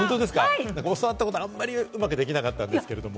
教わったこと、あんまりうまくできなかったんですけれども。